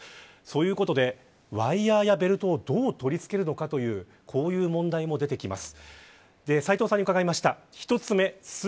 というところでワイヤーやベルトをどう取り付けるかという問題が出てきます。